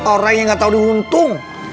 orang yang nggak tahu diuntung